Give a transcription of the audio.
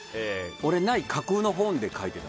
俺、ない架空の本で書いてた。